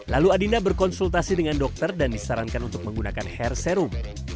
lalu adinda berkonsultasi dengan dokter dan disarankan untuk menggunakan hair serum